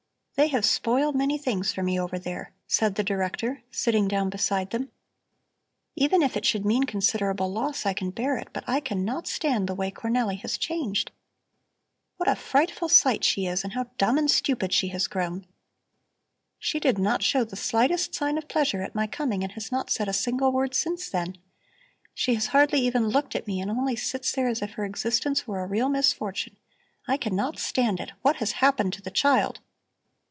"They have spoiled many things for me over there," said the Director, sitting down beside them. "Even if it should mean considerable loss, I can bear it, but I cannot stand the way Cornelli has changed. What a frightful sight she is, and how dumb and stupid she has grown. She did not show the slightest sign of pleasure at my coming and has not said a single word since then. She has hardly even looked at me and only sits there as if her existence were a real misfortune I cannot stand it. What has happened to the child?"